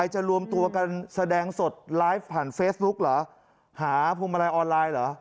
จะรวมตัวกันแสดงสดไลฟ์ผ่านเฟซบุ๊คเหรอหาพวงมาลัยออนไลน์เหรอ